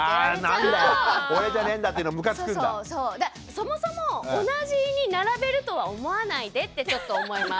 そもそも同じに並べるとは思わないでってちょっと思います。